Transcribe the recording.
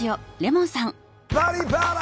「バリバラ」！